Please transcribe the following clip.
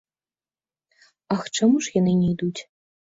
Ах, чаму ж яны не ідуць?